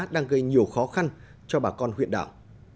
đang gây nhiều khó khăn cho bà con huyện đảo